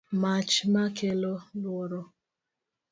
mach ma kelo luoro